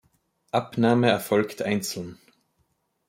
Abnahme erfolgt einzeln.